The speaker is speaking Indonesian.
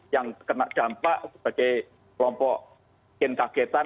yang kena dampak sebagai kelompok yang tidak beruntung